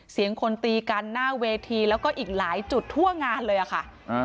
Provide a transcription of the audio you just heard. เสียงคนตีกันหน้าเวทีแล้วก็อีกหลายจุดทั่วงานเลยอะค่ะ